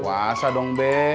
puasa dong be